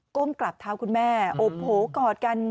้มกราบเท้าคุณแม่โอ้โหกอดกัน